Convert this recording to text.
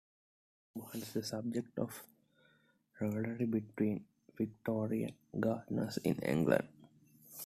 It was once the subject of rivalry between Victorian gardeners in England.